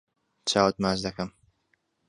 چاوت ماچ دەکەم.